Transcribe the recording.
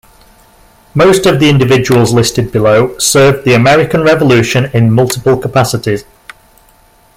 Most of the individuals listed below served the American Revolution in multiple capacities.